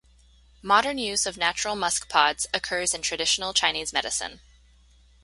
Modern use of natural musk pods occurs in traditional Chinese medicine.